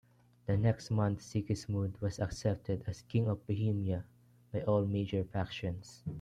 The next month, Sigismund was accepted as King of Bohemia by all major factions.